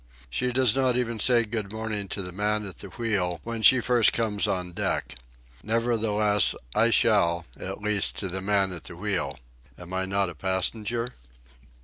She does not even say good morning to the man at the wheel when she first comes on deck. Nevertheless I shall, at least to the man at the wheel. Am I not a passenger?